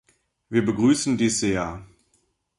Wir begrüßen dies sehr.